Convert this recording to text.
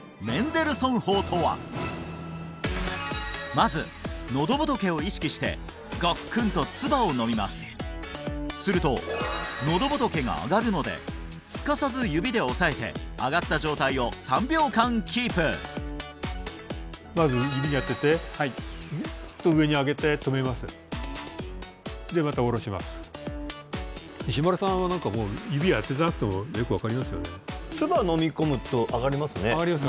まずのど仏を意識してごっくんと唾を飲みますするとのど仏が上がるのですかさず指で押さえて上がった状態を３秒間キープまず指に当ててんっと上に上げて止めますでまた下ろします石丸さんは何かもう指を当てなくてもよく分かりますよね上がります上がります